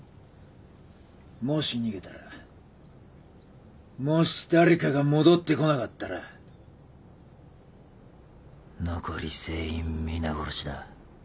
もし逃げたらもし誰かが戻ってこなかったら残り全員皆殺しだ。